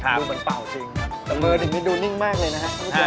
ดูเหมือนเปล่าแต่เมื่อเด็กนี้ดูนิ่งมากเลยนะ